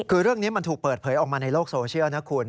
คือเรื่องนี้มันถูกเปิดเผยออกมาในโลกโซเชียลนะคุณ